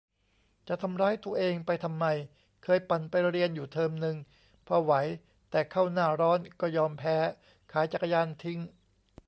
จะทำร้ายตัวเองไปทำไม เคยปั่นไปเรียนอยู่เทอมนึง พอไหว แต่เข้าหน้าร้อนก็ยอมแพ้ ขายจักรยานทิ้ง !